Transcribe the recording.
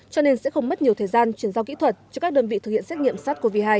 cho nên sẽ không mất nhiều thời gian chuyển giao kỹ thuật cho các đơn vị thực hiện xét nghiệm sars cov hai